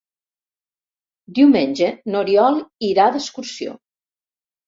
Diumenge n'Oriol irà d'excursió.